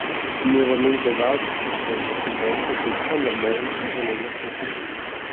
Nuovamente evaso, si scontra più volte coi Thunderbolts venendo sconfitto.